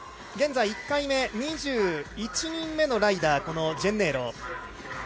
現在１回目、２１人目のライダーこのジェンネーロ。